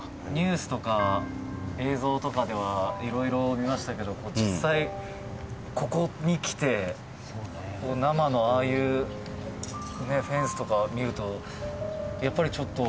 宮田：ニュースとか映像とかではいろいろ見ましたけど実際、ここに来て生の、ああいうフェンスとか見ると、やっぱり、ちょっと。